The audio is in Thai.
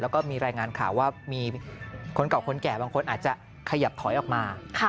แล้วก็มีรายงานข่าวว่ามีคนเก่าคนแก่บางคนอาจจะขยับถอยออกมา